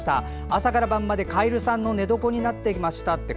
朝から晩までカエルさんの寝床になっていましたって。